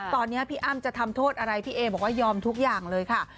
ตอนนี้พี่อ้ำจะทำโทษอะไรพี่เอบอกว่ายอมทุกอย่างเลยค่ะ